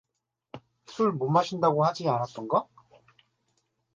술 못 마신다고 하지 않았던가?